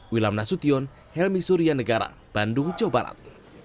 wilam nasution helmi surya negara bandung jawa barat